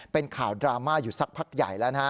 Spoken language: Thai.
เป็นข่าวดราม่าอยู่สักพักใหญ่แล้วนะฮะ